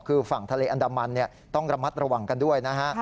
คือฝั่งทะเลอันดามันต้องระมัดระวังกันด้วยนะฮะ